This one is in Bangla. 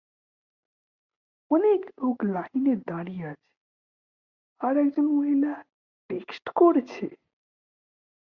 অনেক লোক লাইনে দাঁড়িয়ে আছে, আর একজন মহিলা টেক্সট করছে।